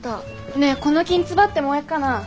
ねえこのきんつばって燃えっかな？